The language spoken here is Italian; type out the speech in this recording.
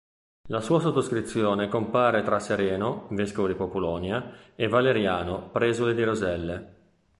La sua sottoscrizione compare tra Sereno, vescovo di Populonia, e Valeriano, presule di Roselle.